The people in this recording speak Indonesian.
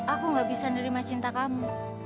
aku gak bisa nerima cinta kamu